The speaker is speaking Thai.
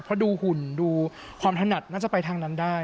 เพราะดูหุ่นดูความถนัดน่าจะไปทางนั้นได้